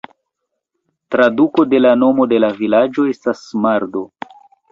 Traduko de la nomo de la vilaĝo estas "Mardo".